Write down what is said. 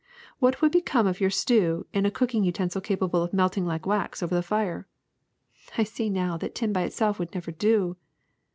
What would become of your stew in^ a cooking utensil capable of melting like wax over the fire!" *^I see now that tin by itself would never do."